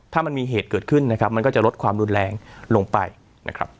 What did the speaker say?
ถ้ามันมีเหตุเกิดขึ้นนะครับมันก็จะลดความรุนแรงลงไปนะครับ